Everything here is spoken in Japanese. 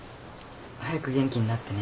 早く元気になってね。